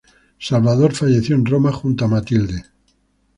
Salvador falleció en Roma junto a Matilde.